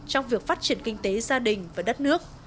trong việc phát triển kinh tế gia đình và đất nước